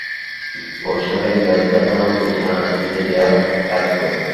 গবেষণা কাজে ব্যবস্থাপনা ও পরিচালনা সুবিধা দেওয়ার কাজ করে।